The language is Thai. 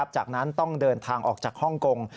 จากนั้นต้องเดินทางออกจากฮ่องกง